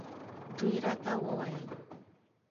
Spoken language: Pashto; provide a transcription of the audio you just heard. دوی راته وویل.